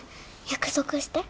約束して